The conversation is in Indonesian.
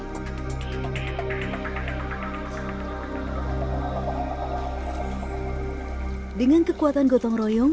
bikin susu bicara sama inden semangat yang tumang dengan kita bahkan betul